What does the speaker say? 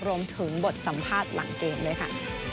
รวมถึงบทสัมภาษณ์หลังเกมด้วยค่ะ